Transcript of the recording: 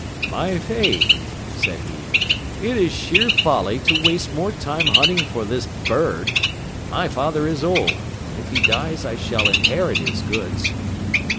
'My faith,' said he, 'it is sheer folly to waste more time hunting for this bird. My father is old, and if he dies I shall inherit his goods.